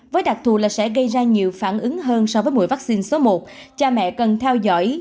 với đặc thù là sẽ gây ra nhiều phản ứng hơn so với mũi vaccine số một